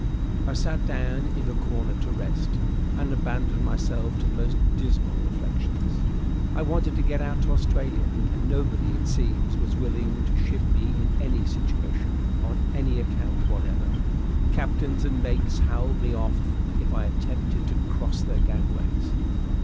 I sat down in a corner to rest, and abandoned myself to the most dismal reflections. I wanted to get out to Australia, and nobody, it seems, was willing to ship me in any situation on any account whatever. Captains and mates howled me off if I attempted to cross their gangways.